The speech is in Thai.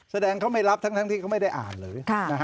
แสดงเขาไม่รับทั้งที่เขาไม่ได้อ่านเลย